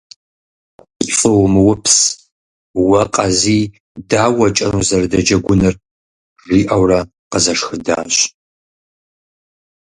«ПцӀы умыупс, уэ Къазий дауэ кӀэн узэрыдэджэгуныр?» - жиӀэурэ къызэшхыдащ.